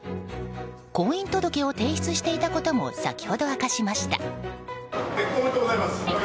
婚姻届を提出していたことも先ほど明かしました。